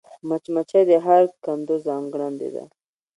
مچمچۍ د هر کندو ځانګړېنده ده